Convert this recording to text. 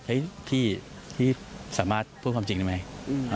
พี่สามารถพูดความจริงได้ไหม